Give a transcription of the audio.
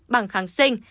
bằng kháng sinh